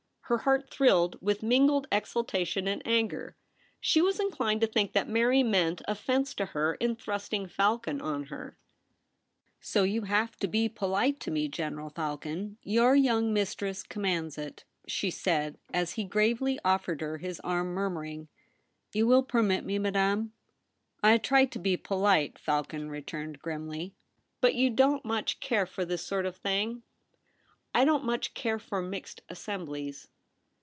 Her heart thrilled with mingled exultation and anger. She was inclined to think that Mary meant offence to her in thrusting Falcon on her. THE BOTHWELL PART. 279 ' So you have to be polite to me, General Falcon ? Your young mistress commands it/ she said, as he gravely offered her his arm, murmuring, 'You will permit me, madame.' ' I try to be polite,' Falcon returned grimly, ' But you don't much care for this sort of thing ?'' I don't much care for mixed assemblies.'